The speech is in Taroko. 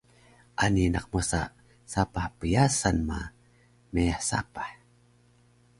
Ani naq mosa sapah pyasan ma meyah sapah